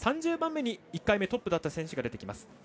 ３０番目に１回目トップだった選手が出てきます。